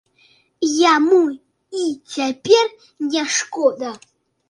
Яму і цяпер не шкода.